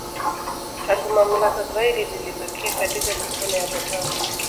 Tangu mamlaka zaidi zilibakia katika mikono ya Gavana